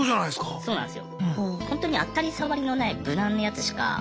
そうなんすよ。